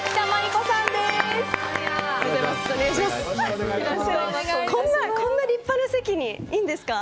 こんな立派な席にいいんですか。